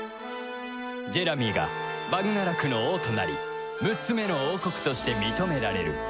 ジェラミーがバグナラクの王となり６つ目の王国として認められる